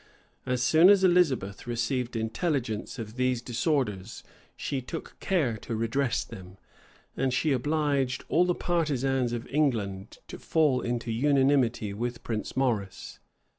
As soon as Elizabeth received intelligence of these disorders, she took care to redress them; and she obliged all the partisans of England to fall into unanimity with Prince Maurice.